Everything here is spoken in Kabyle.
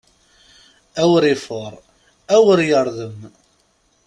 Awer ifuṛ, awer yeṛdem!